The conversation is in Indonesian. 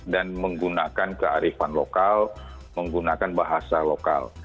dan menggunakan kearifan lokal menggunakan bahasa lokal